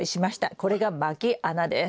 これがまき穴です。